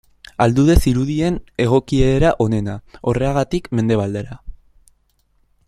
Aldude zirudien egokiera onena, Orreagatik mendebaldera.